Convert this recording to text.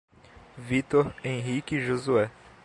Vítor, Henrique, Josué